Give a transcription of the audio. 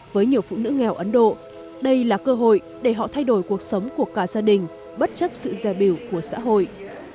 với nhiều phụ nữ nghèo ấn độ đây là cơ hội để họ thay đổi cuộc sống của cả gia đình bất chấp sự dè biểu của xã hội